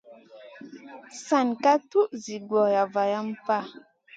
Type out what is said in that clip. San ka tuʼ zi gora valam pa.